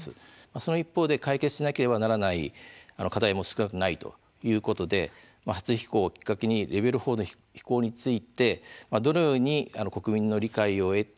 その一方で解決しなければならない課題も少なくないということで初飛行をきっかけにレベル４の飛行についてどのように国民の理解を得て